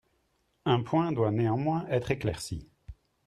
Un point doit néanmoins être éclairci.